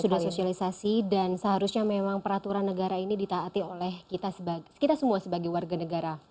sudah sosialisasi dan seharusnya memang peraturan negara ini ditaati oleh kita semua sebagai warga negara